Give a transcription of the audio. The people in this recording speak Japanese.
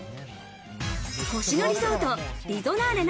星野リゾートリゾナーレ